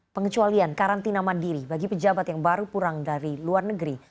pengecualian karantina mandiri bagi pejabat yang baru pulang dari luar negeri